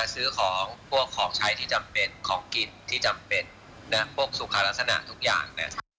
ซื้อของพวกของใช้ที่จำเป็นของกินที่จำเป็นพวกสุขาลักษณะทุกอย่าง